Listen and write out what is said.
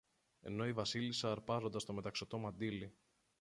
ενώ η Βασίλισσα αρπάζοντας το μεταξωτό μαντίλι